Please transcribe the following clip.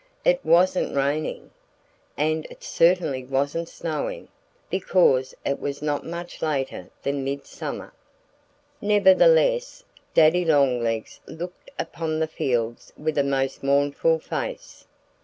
It wasn't raining. And it certainly wasn't snowing, because it was not much later than midsummer. Nevertheless Daddy Longlegs looked upon the fields with a most mournful face.